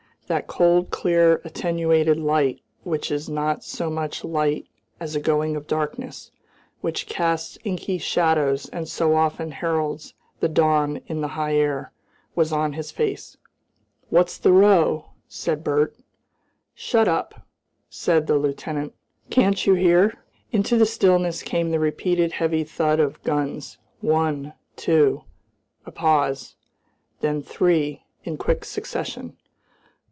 That cold, clear, attenuated light which is not so much light as a going of darkness, which casts inky shadows and so often heralds the dawn in the high air, was on his face. "What's the row?" said Bert. "Shut up!" said the lieutenant. "Can't you hear?" Into the stillness came the repeated heavy thud of guns, one, two, a pause, then three in quick succession.